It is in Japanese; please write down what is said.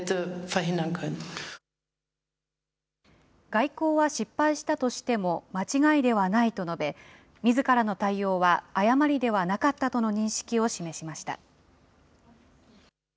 外交は失敗したとしても間違いではないと述べ、みずからの対応は誤りではなかったとの認識を示しました。